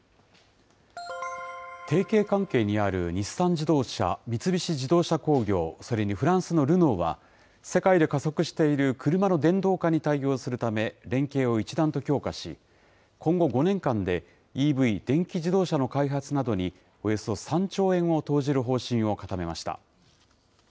提携関係にある日産自動車、三菱自動車工業、それにフランスのルノーは、世界で加速している車の電動化に対応するため、連携を一段と強化し、今後５年間で、ＥＶ・電気自動車の開発などにおよそ３兆円を投じる方針を固めま